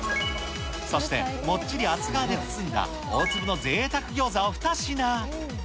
そして、もっちり厚皮で包んだ大粒のぜいたくギョーザを２品。